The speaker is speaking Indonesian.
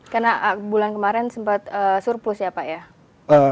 karena bulan kemarin sempat surplus ya pak ya